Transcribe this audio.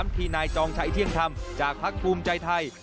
ที่นายจองชัยเที่ยงธรรมจากภักดิ์ภูมิใจไทย